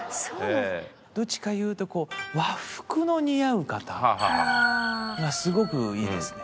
どっちかと言うとこう和服の似合う方がすごくいいですね。